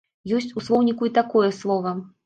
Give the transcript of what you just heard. Ёсць у слоўніку і такое слова.